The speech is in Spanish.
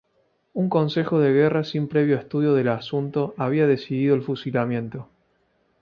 Un consejo de guerra sin previo estudio del asunto, había decidido el fusilamiento.